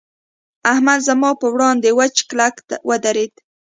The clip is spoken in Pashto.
احمد زما پر وړاند وچ کلک ودرېد.